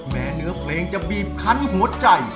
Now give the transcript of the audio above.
แม้เนื้อเพลงจะบีบคันหัวใจ